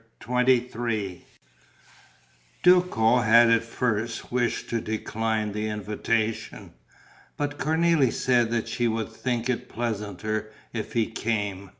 CHAPTER XXIII Duco had at first wished to decline the invitation, but Cornélie said that she would think it pleasanter if he came.